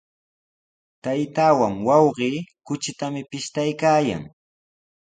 Taytaawan wawqi kuchitami pishtaykaayan.